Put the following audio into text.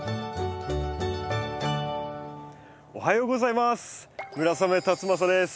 おはようございます。